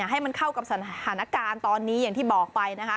ให้มันเข้ากับสถานการณ์ตอนนี้อย่างที่บอกไปนะคะ